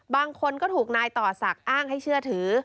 บางคนก็ถูกนายต่อศักดิ์อ้างให้เชื่อถือ